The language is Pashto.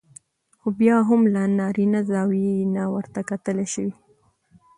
خو بيا هم له نارينه زاويې نه ورته کتل شوي